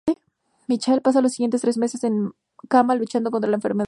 Michael pasa los siguientes tres meses en cama luchando contra la enfermedad.